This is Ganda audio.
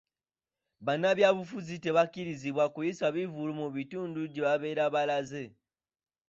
Banabyabufuzi tebakkirizibwa kuyisa bivvulu mu bitundu gye babeera balaze.